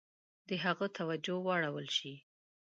د هغه توجه واړول شي.